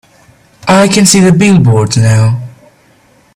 I can see the billboards now.